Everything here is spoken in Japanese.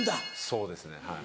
そうですねはい。